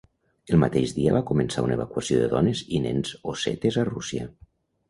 El mateix dia va començar una evacuació de dones i nens ossetes a Rússia.